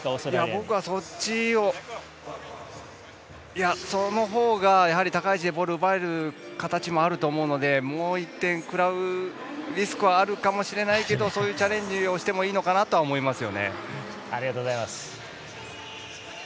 僕はそのほうがやはり高い位置でボールを奪える形もあるのでもう１点食らうリスクはあるかもしれないけどそういうチャレンジをしてもいいのかなと思います。